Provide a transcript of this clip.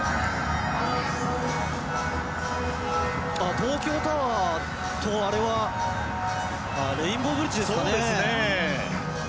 東京タワーとあれはレインボーブリッジですかね。